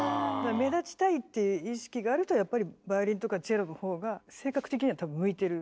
目立ちたいっていう意識があるとやっぱりバイオリンとかチェロのほうが性格的には多分向いてる。